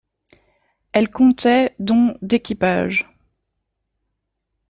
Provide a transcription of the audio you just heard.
Elle comptait dont d'équipage.